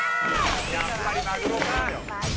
やっぱりマグロか。